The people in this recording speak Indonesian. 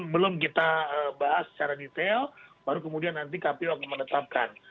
belum kita bahas secara detail baru kemudian nanti kpu akan menetapkan